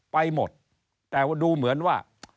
ไปหมดแต่ดูเหมือนว่า